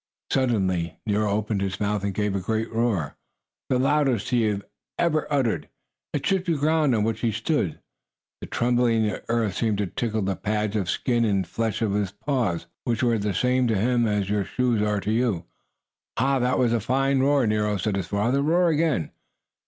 Suddenly Nero opened his mouth and gave a great roar, the loudest he had ever uttered. It shook the ground on which he stood. The trembling of the earth seemed to tickle the pads of skin and flesh of his paws, pads which were the same to him as your shoes are to you. "Ha, that was a fine roar, Nero!" said his father. "Roar again!"